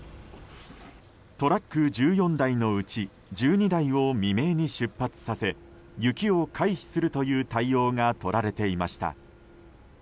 トラック１４台のうち１２台を未明に出発させ雪を回避するという対応がとられていました。